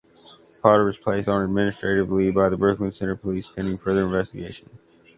Potter was placed on administrative leave by the Brooklyn Center police pending further investigation.